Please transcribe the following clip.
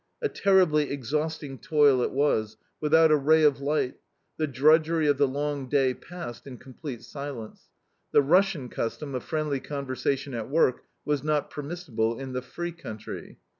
A terribly exhausting toil it was, without a ray of light, the drudgery of the long day passed in complete silence the Russian custom of friendly conversation at work was not permissible in the free country.